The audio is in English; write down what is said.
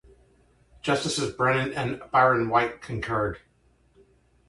Justices Brennan and Byron White concurred.